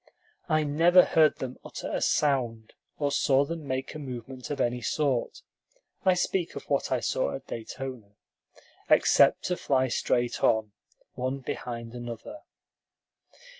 I never heard them utter a sound, or saw them make a movement of any sort (I speak of what I saw at Daytona) except to fly straight on, one behind another.